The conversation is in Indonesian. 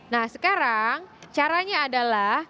nah sekarang caranya adalah